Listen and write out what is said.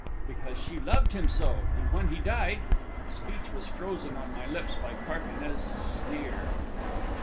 "Because she loved him so, and when he died..." Speech was frozen on my lips by Carquinez's sneer.